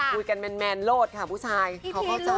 แมนโลศค่ะผู้ชายเขาเข้าใจ